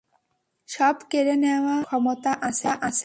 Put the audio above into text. সব কেড়ে নেয়ার ক্ষমতা আছে।